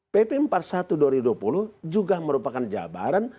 pp empat puluh satu dua ribu dua puluh juga merupakan jabaran